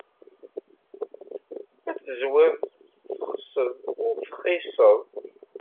Ad teẓwid texsed ul tɣissed.